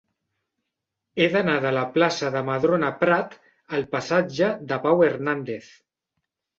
He d'anar de la plaça de Madrona Prat al passatge de Pau Hernández.